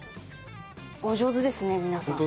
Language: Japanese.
お上手ですね皆さん。